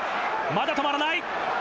まだ止まらない！